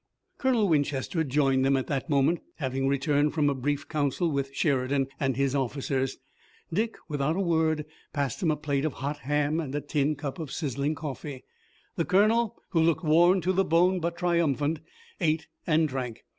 Colonel Winchester joined them at that moment, having returned from a brief council with Sheridan and his officers. Dick, without a word, passed him a plate of hot ham and a tin cup of sizzling coffee. The colonel, who looked worn to the bone but triumphant, ate and drank.